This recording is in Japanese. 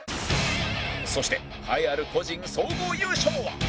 そして栄えある個人総合優勝は？